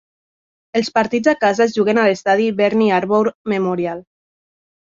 Els partits a casa es juguen a l'estadi Bernie Arbour Memorial.